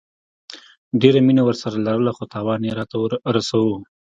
ډيره مينه ورسره لرله خو تاوان يي راته رسوو